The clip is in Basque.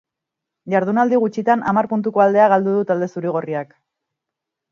Jardunaldi gutxitan hamar puntuko aldea galdu du talde zuri-gorriak.